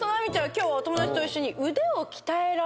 今日はお友達と一緒に。